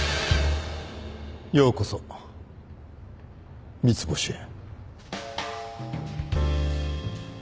ようこそ三ツ星へ